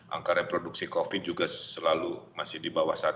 angka reproduksi covid juga selalu masih di bawah satu